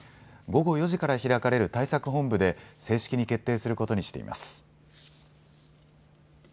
午後４時から開かれる対策本部で正式に決定することにしています。